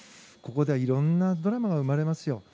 ここでは色んなドラマが生まれますよ。